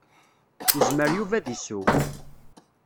Yezmer Yuba ad iseww.